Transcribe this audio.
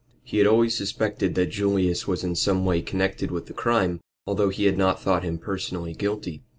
He had always suspected that Julius was in some way connected with the crime, although he had not thought him personally guilty.